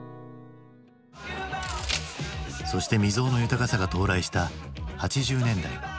そして未曽有の豊かさが到来した８０年代。